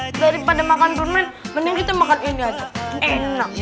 daripada makan permen mending kita makan ini aja enak